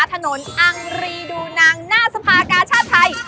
อังรีดูนางหน้าสภากาชาติไทย